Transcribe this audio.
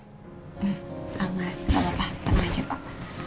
hmm aman gak apa apa tangan aja pak